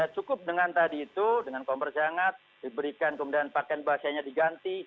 cukup dengan tadi itu dengan commerce hangat diberikan kemudian pakaian bahasanya diganti